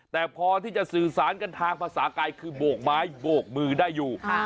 แต่พอที่จะสื่อสารกันทางภาษากายคือโบกไม้โบกมือได้อยู่